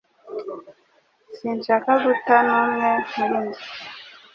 Sinshaka guta n'umwe muri njye. ”